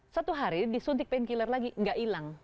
satu hari disuntik painkiller lagi nggak hilang